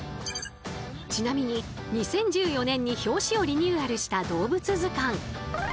ちなみに２０１４年に表紙をリニューアルした動物図鑑。